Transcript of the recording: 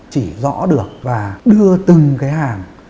chỉ rõ được và đưa từng cái hàng